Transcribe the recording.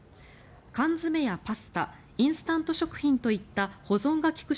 缶詰やパスタインスタント食品といった保存が利く